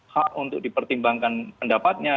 hak untuk dipertimbangkan pendapatnya